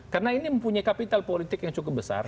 karena ini mempunyai kapital politik yang cukup besar